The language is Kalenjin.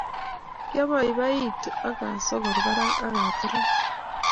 Kiabaibaitu akasongor parak akatoroch